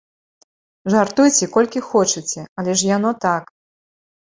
Жартуйце колькі хочаце, але ж яно так.